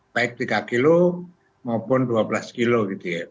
baik tiga kilo maupun dua belas kilo gitu ya